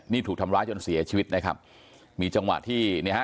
นี่ถูกทำร้ายจนเสียชีวิตนะครับมีจังหวะที่เนี่ยฮะ